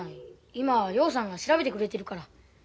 今陽さんが調べてくれてるから。